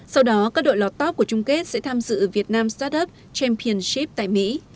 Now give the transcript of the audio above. sau đó các đội lọt top của chung kết sẽ tham dự việt nam start up championship tại mỹ